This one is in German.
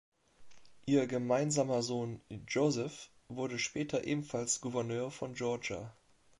Ihr gemeinsamer Sohn Joseph wurde später ebenfalls Gouverneur von Georgia.